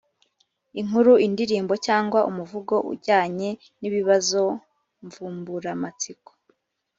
inkuru, indirimbo cyangwa umuvugo ujyanye n’ibibazo mvumburamatsiko.